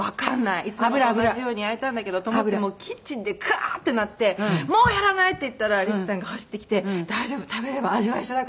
「いつもと同じように焼いたんだけど」と思ってもうキッチンでカー！ってなって「もうやらない！」って言ったら率さんが走ってきて「大丈夫食べれば味は一緒だから。